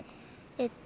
えっと